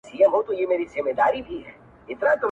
o د بل غم نيم اختر دئ.